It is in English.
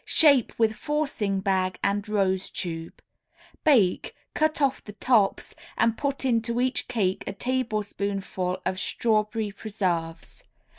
Shape with forcing bag and rose tube. Bake, cut off the tops and put into each cake a tablespoonful of strawberry preserves.